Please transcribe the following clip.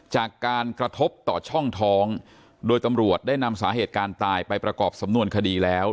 จากการกระทบต่อช่องท้องโดยตำรวจได้นำสาเหตุการณ์ตายไปประกอบสำนวนคดีแล้ว